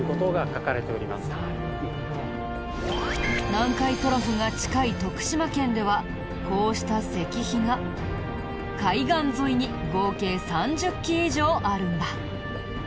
南海トラフが近い徳島県ではこうした石碑が海岸沿いに合計３０基以上あるんだ。